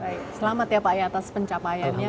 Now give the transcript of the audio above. baik selamat ya pak ya atas pencapaiannya